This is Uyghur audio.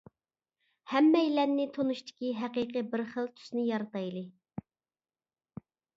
ھەممەيلەننى تونۇشتىكى ھەقىقىي بىر خىل تۈسنى يارىتايلى.